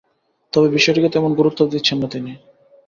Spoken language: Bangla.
তবে বিষয়টিকে তেমন গুরুত্বও দিচ্ছেন না তিনি।